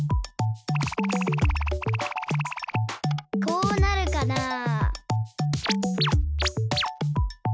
こうなるかなあ。